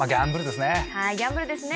ギャンブルですね